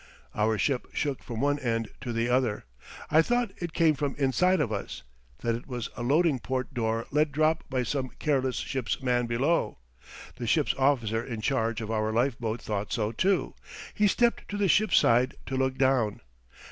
Our ship shook from one end to the other. I thought it came from inside of us that it was a loading port door let drop by some careless ship's man below. The ship's officer in charge of our life boat thought so, too. He stepped to the ship's side to look down.